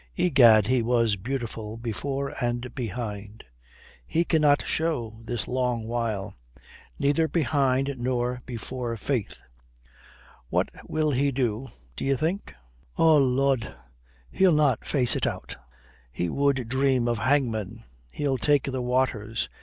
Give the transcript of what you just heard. Egad, he was beautiful before and behind. He cannot show this long while. Neither behind nor before, faith. What will he do, d'ye think?" "Oh Lud, he'll not face it out. He would dream of hangmen. He'll take the waters.